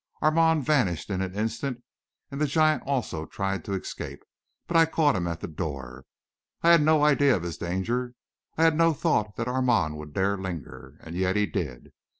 Armand vanished in an instant, and the giant also tried to escape; but I caught him at the door. I had no idea of his danger; I had no thought that Armand would dare linger. And yet he did.